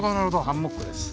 ハンモックです。